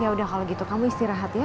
yaudah kalau gitu kamu istirahat ya